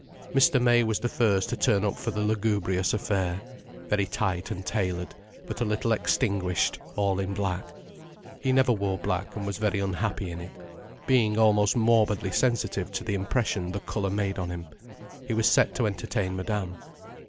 Mr. May was the first to turn up for the lugubrious affair: very tight and tailored, but a little extinguished, all in black. He never wore black, and was very unhappy in it, being almost morbidly sensitive to the impression the colour made on him. He was set to entertain Madame.